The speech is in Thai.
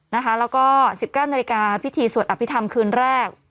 แล้วก็๑๙นาฬิกาพิธีสวดอภิษฐรรมคืนแรก